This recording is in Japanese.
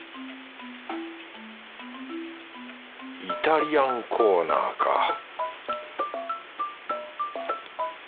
イタリアンコーナーか